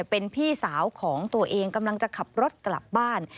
เป็นพี่สาวของตัวเองกำลังจะขับรถกลับบ้าน